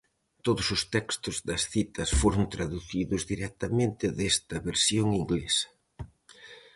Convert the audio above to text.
Todos os textos das citas foron traducidos directamente desta versión inglesa.